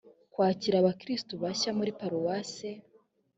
kwakira abakristo bashya muri paruwase